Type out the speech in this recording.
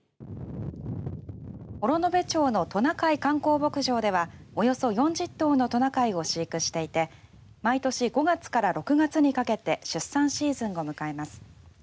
幌延町のトナカイ観光牧場ではおよそ４０頭のトナカイを飼育していて毎年５月から６月にかけて出産シーズンを迎えます。